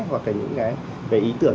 hoặc là những cái về ý tưởng